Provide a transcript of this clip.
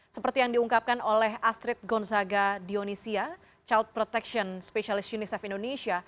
seperti yang diungkapkan oleh astrid gonzaga dionisia child protection specialist unicef indonesia